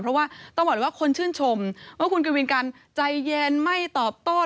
เพราะว่าต้องบอกเลยว่าคนชื่นชมว่าคุณกวินกันใจเย็นไม่ตอบโต้